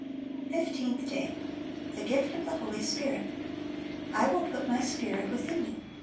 Fifteenth Day. The Gift of the Holy Spirit. "I will put my Spirit within you."